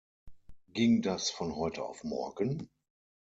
Ging das von heute auf morgen?